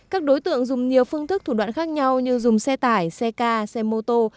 các đối tượng dùng nhiều phương thức thủ đoạn khác nhau như dùng xe tải xe ca xe mô tô